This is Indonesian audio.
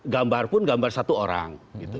gambar pun gambar satu orang